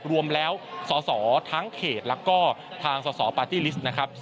รวมแล้วสอสอทั้งเขตแล้วก็ทางสสปาร์ตี้ลิสต์นะครับ